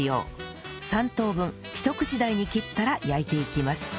３等分ひと口大に切ったら焼いていきます